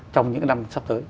trong những năm sắp tới